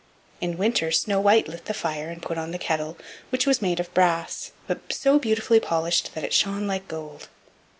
In winter Snow white lit the fire and put on the kettle, which was made of brass, but so beautifully polished that it shone like gold.